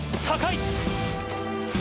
高い！